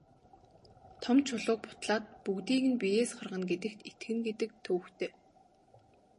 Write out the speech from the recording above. Том чулууг бутлаад бүгдийг нь биеэс гаргана гэдэгт итгэнэ гэдэг төвөгтэй.